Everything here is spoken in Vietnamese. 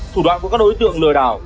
thủ đoạn của các đối tượng lừa đảo